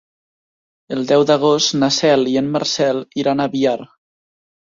El deu d'agost na Cel i en Marcel iran a Biar.